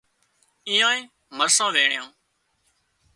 ايئانئي مرسان وينڻيان